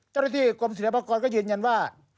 จริงที่กรมศิลปกรณ์ก็ยืนยันว่า